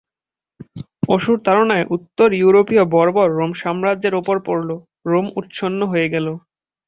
অসুর-তাড়নায় উত্তর-ইউরোপী বর্বর রোমসাম্রাজ্যের উপর পড়ল! রোম উৎসন্ন হয়ে গেল।